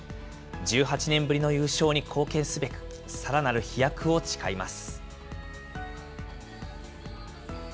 １８年ぶりの優勝に貢献すべく、さらなる飛躍を誓います。